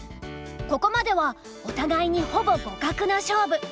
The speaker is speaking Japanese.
ここまではお互いにほぼ互角の勝負。